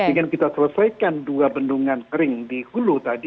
sehingga kita selesaikan dua bendungan kering di hulu tadi